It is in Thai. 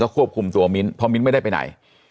ควบคุมตัวมิ้นเพราะมิ้นไม่ได้ไปไหน